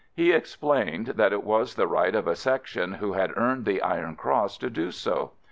He explained that it was the right of a Section who had earned the iron cross to do so.